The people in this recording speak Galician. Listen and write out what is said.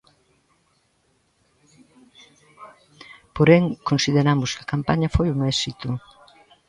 Porén, consideramos que a campaña foi un éxito.